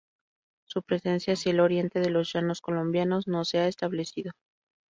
Su presencia hacia el oriente de los llanos colombianos no se ha establecido.